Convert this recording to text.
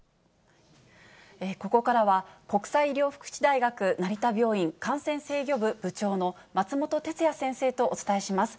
ここからは、国際医療福祉大学成田病院感染制御部部長の松本哲哉先生とお伝えします。